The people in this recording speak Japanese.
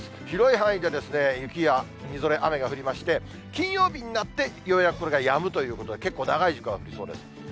広い範囲で雪やみぞれ、雨が降りまして、金曜日になってようやくこれがやむということで、結構長い時間降りそうです。